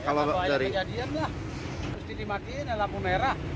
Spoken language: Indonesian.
kalau ada kejadian pak harus dimatikan ya lampu merah